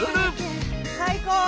最高！